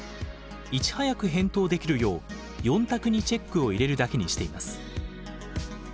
いち早く返答できるよう４択にチェックを入れるだけにしています。